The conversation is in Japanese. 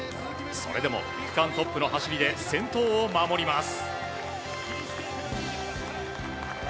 それでも区間トップの走りで先頭を守ります。